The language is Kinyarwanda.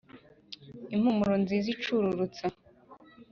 impumuro nziza icururutsa